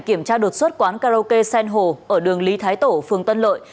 kiểm tra đột xuất quán karaoke sen hồ ở đường lý thái tổ phường tân lợi